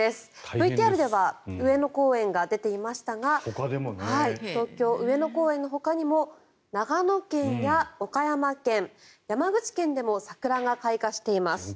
ＶＴＲでは上野公園が出ていましたが東京・上野公園のほかにも長野県や岡山県、山口県でも桜が開花しています。